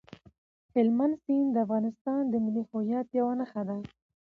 هلمند سیند د افغانستان د ملي هویت یوه نښه ده.